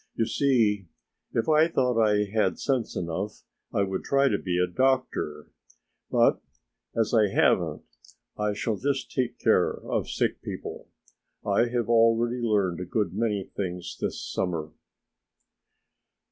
"You see if I thought I had sense enough I would try to be a doctor, but as I haven't I shall just take care of sick people. I have already learned a good many things this summer."